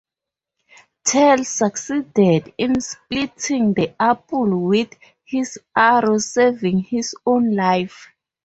Tell succeeded in splitting the apple with his arrow, saving his own life.